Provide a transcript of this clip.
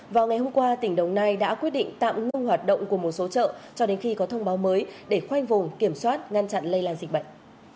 vào ngày hôm qua tỉnh đồng nai đã quyết định tạm ngưng hoạt động của một số chợ cho đến khi có thông báo mới để khoanh vùng kiểm soát ngăn chặn lây lan dịch bệnh